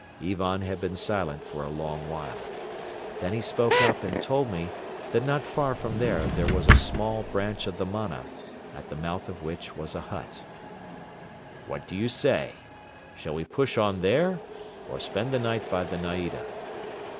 Ivan had been silent for a long while. Then he spoke up and told me that not far from there was a small branch of the Mana, at the mouth of which was a hut. "What do you say? Shall we push on there or spend the night by the naida?"